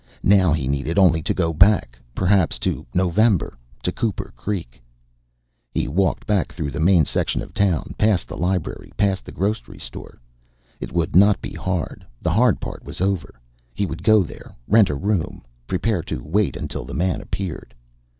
Now he needed only to go back, perhaps to November, to Cooper Creek He walked back through the main section of town, past the library, past the grocery store. It would not be hard; the hard part was over. He would go there; rent a room, prepare to wait until the man appeared.